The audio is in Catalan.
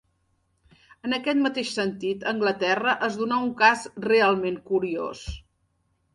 En aquest mateix sentit, a Anglaterra es donà un cas realment curiós.